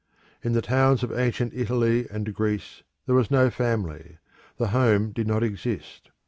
In the towns of ancient Italy and Greece there was no family: the home did not exist.